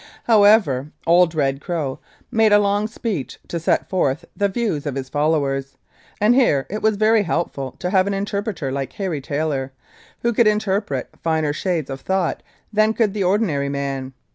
However, old Red Crow made a long speech to set forth the views of his followers, and here it was very helpful to have an interpreter like Harry Taylor, who could interpret finer shades of thought than could the ordinary man.